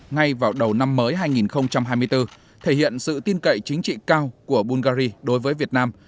ngay vào đầu năm mới hai nghìn hai mươi bốn thể hiện sự tin cậy chính trị cao của bungary đối với việt nam